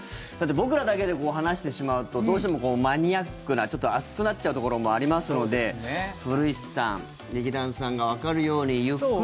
僕らだけで話してしまうとどうしてもマニアックなちょっと熱くなっちゃうところもありますので古市さん、劇団さんがわかるように、ゆっくり。